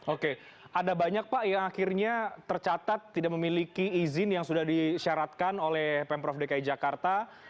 oke ada banyak pak yang akhirnya tercatat tidak memiliki izin yang sudah disyaratkan oleh pemprov dki jakarta